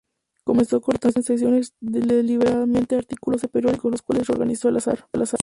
Comenzó a cortar en secciones deliberadamente artículos de periódicos, los cuales reorganizó al azar.